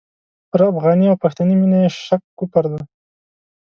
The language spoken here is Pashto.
پر افغاني او پښتني مینه یې شک کفر دی.